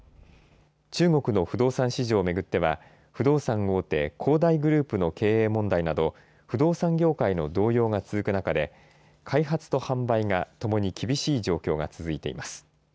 中国の不動産市場を巡っては不動産大手、恒大グループの経営問題など不動産業界の動揺が続く中で開発と販売がともに厳しい状況が続いています。